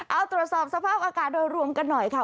เอาตรวจสอบสภาพอากาศโดยรวมกันหน่อยค่ะ